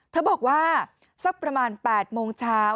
เธอบอกว่าสักประมาณ๘โมงเช้า